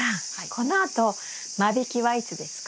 このあと間引きはいつですか？